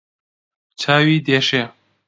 چاوی دێشێ